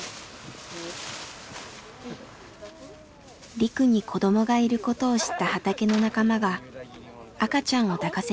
リクに子どもがいることを知った畑の仲間が赤ちゃんを抱かせてくれました。